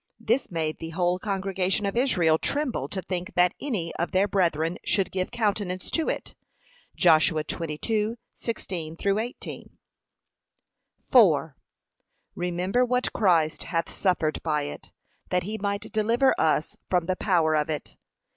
This made the whole congregation of Israel tremble to think that any of their brethren should give countenance to it. (Josh. 22:16 18) 4. Remember what Christ hath suffered by it, that he might deliver us from the power of it.